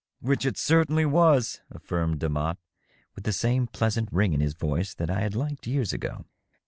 " Which it certainly was," affirmed Demotte, with the same pleasant ring in his voice that I had liked years ago.